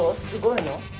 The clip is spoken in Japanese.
すごいの？